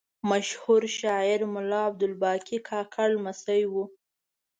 مشهور شاعر ملا عبدالباقي کاکړ لمسی و.